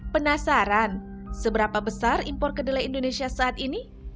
penasaran seberapa besar impor kedelai indonesia saat ini